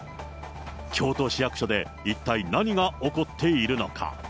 京都市役所で一体何が起こっているのか。